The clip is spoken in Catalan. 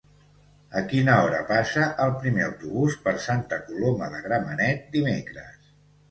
A quina hora passa el primer autobús per Santa Coloma de Gramenet dimecres?